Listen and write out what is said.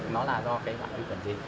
nó là do cái loại vi khuẩn gì